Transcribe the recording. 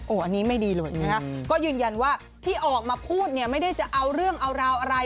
อันนี้ไม่ดีเลยนะคะก็ยืนยันว่าที่ออกมาพูดเนี่ยไม่ได้จะเอาเรื่องเอาราวอะไร